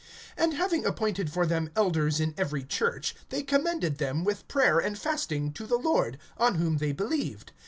(23)And having appointed for them elders in every church, they commended them, with prayer and fasting, to the Lord, on whom they believed.